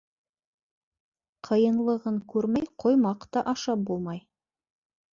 Ҡыйынлығын күрмәй, ҡоймаҡ та ашап булмай.